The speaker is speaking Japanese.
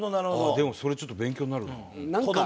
でもそれちょっと勉強になるな。